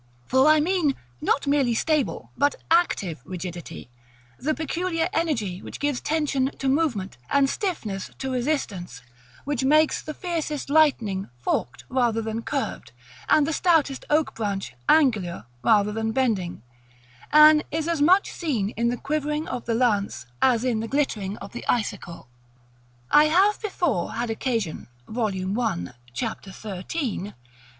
For I mean, not merely stable, but active rigidity; the peculiar energy which gives tension to movement, and stiffness to resistance, which makes the fiercest lightning forked rather than curved, and the stoutest oak branch angular rather than bending, and is as much seen in the quivering of the lance as in the glittering of the icicle. § LXXIV. I have before had occasion (Vol. I. Chap. XIII. § VII.)